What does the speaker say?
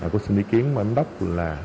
có xin ý kiến mà anh bắc là